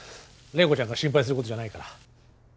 麗子ちゃんが心配することじゃないから。